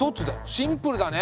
シンプルだね。